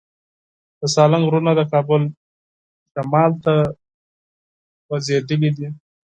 د سالنګ غرونه د کابل شمال ته غځېدلي دي.